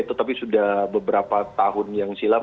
tetapi sudah beberapa tahun yang silam